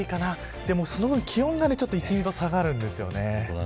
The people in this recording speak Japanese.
でもその分、気温が１、２度下がるんですよね。